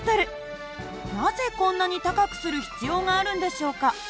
なぜこんなに高くする必要があるんでしょうか。